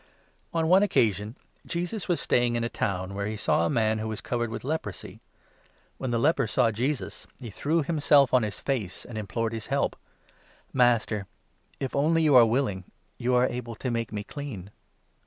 cure On one occasion Jesus was staying in a town, 12 or a. Leper, when he saw a man who was covered with leprosy. When the leper saw Jesus, he threw himself on his face and implored his help :" Master, if only you are willing, you are able to make me clean."